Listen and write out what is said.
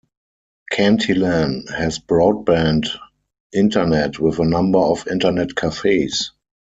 Cantilan has broadband internet with a number of internet cafes.